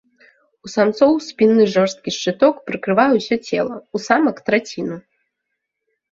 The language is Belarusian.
У самцоў спінны жорсткі шчыток прыкрывае ўсё цела, у самак траціну.